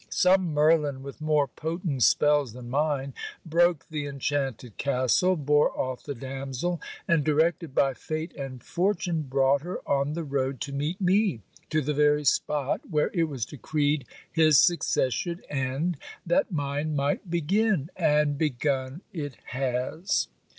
Some Merlin, with more potent spells than mine, broke the enchanted castle, bore off the damsel, and, directed by fate and fortune, brought her on the road, to meet me, to the very spot where it was decreed his success should end, that mine might begin. And begun it has.